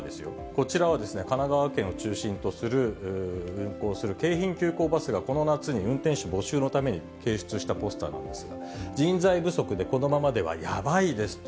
こちらは神奈川県を中心とする、運行する京浜急行バスがこの夏に運転手募集のために掲出したポスターなんですが、人財不足でこのままではヤバいですと。